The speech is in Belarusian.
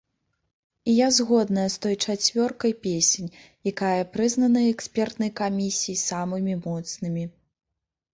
І я згодная з той чацвёркай песень, якая прызнаная экспертнай камісіяй самымі моцнымі.